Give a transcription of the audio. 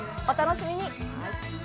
お楽しみに！